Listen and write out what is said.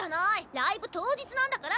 ライブ当日なんだから！